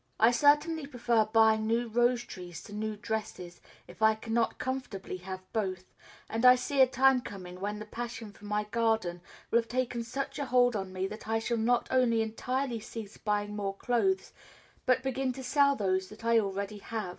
I certainly prefer buying new rose trees to new dresses, if I cannot comfortably have both; and I see a time coming when the passion for my garden will have taken such a hold on me that I shall not only entirely cease buying more clothes, but begin to sell those that I already have.